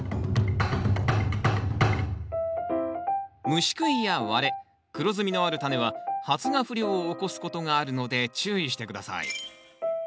虫食いや割れ黒ずみのあるタネは発芽不良を起こすことがあるので注意して下さい。